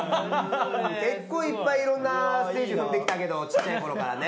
結構いっぱいいろんなステージ踏んできたけどちっちゃいころからね。